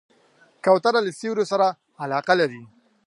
کوتره له سیوریو سره علاقه لري.